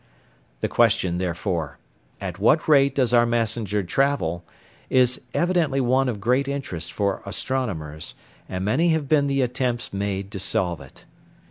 The question, therefore, "At what rate does our messenger travel?" is evidently one of great interest for astronomers, and many have been the attempts made to solve it.